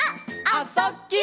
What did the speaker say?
「あ・そ・ぎゅ」